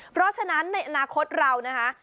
เพราะฉะนั้นในอนาคตเรานะคะ